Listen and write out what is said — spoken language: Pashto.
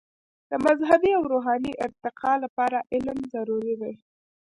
د مذهبي او روحاني ارتقاء لپاره علم ضروري دی.